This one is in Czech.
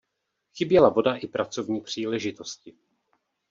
Chyběla voda i pracovní příležitosti.